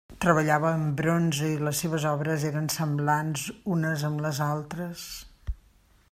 Treballava en bronze i les seves obres eren semblants unes amb les altres.